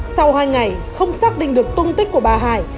sau hai ngày không xác định được tung tích của bà hải